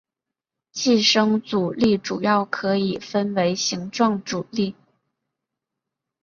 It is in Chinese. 寄生阻力主要可以分为形状阻力。